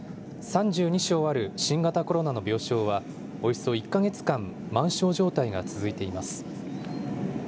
３２床ある新型コロナの病床は、およそ１か月間、満床状態が続いています。